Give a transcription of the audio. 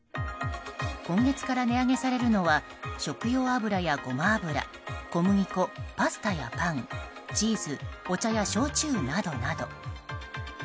今月から値上げされるのは食用油やゴマ油、小麦粉パスタやパン、チーズお茶や焼酎などなど。